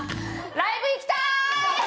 ライブ行きたーい！